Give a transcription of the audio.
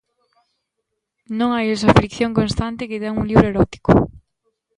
Non hai esa fricción constante que ten un libro erótico.